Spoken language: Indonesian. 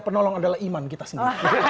penolong adalah iman kita sendiri